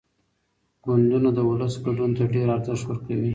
ګوندونه د ولس ګډون ته ډېر ارزښت ورکوي.